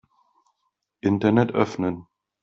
Internet öffnen.